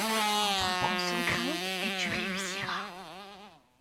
Entreprends sans crainte et tu réussiras